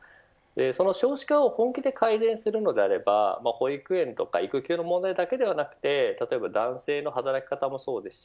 その少子化を本気で改善するのであれば保育園や育休の問題だけではなくて例えば男性の働き方もそうです。